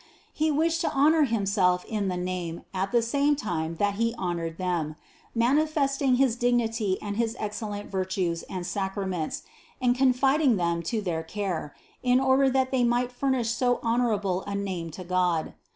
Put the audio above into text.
He wished to honor Himself in the name at the same time that He honored them, manifesting his dignity and his excellent virtues and sacraments, and confiding them to their care, in order that they might furnish so honorable a name to God.